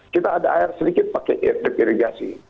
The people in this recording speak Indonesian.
kita ada air sedikit pakai drip irigasi